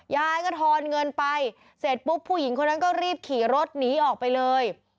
ยายก็ทอนเงินไปเสร็จปุ๊บผู้หญิงคนนั้นก็รีบขี่รถหนีออกไปเลย